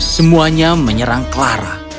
semuanya menyerang clara